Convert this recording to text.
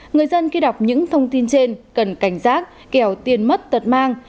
người dân khi đọc những thông tin trên cần cảnh giác kèo tiền mất tật mang